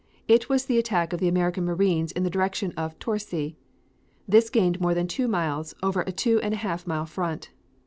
It was the attack of the American Marines in the direction of Torcy. This gained more than two miles over a two and a half mile front.